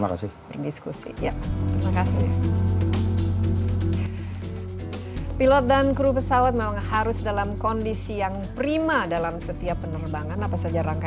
apalagi misalnya ruinsi jur